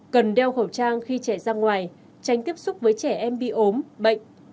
cần đeo khẩu trang khi trẻ ra ngoài tránh tiếp xúc với trẻ em bị ốm bệnh